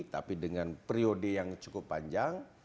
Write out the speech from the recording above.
tapi dengan periode yang cukup panjang